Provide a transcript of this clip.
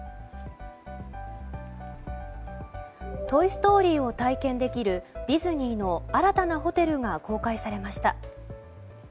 「トイ・ストーリー」を体験できるディズニーの新たなホテルが公開されました。